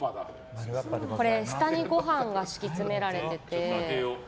これ、下にご飯が敷き詰められていて。